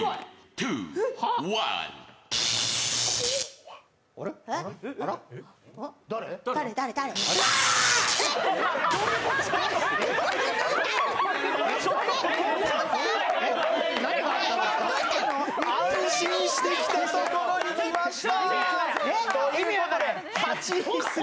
わーわー安心していたところに来ました。